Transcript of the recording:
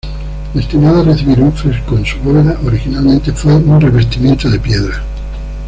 Destinada a recibir un fresco en su bóveda, originalmente fue de revestimiento de piedra.